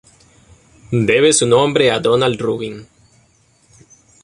Debe su nombre a Donald Rubin.